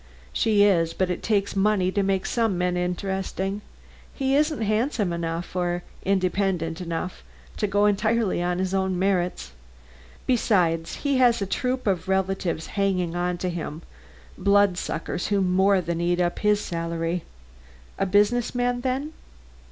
"She is; but it takes money to make some men interesting. He isn't handsome enough, or independent enough to go entirely on his own merits. Besides, he has a troop of relatives hanging on to him blood suckers who more than eat up his salary." "A business man, then?"